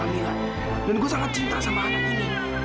kamu tak bisa berstart indicate in